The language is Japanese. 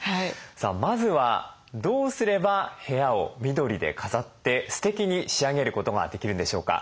まずはどうすれば部屋を緑で飾ってステキに仕上げることができるんでしょうか。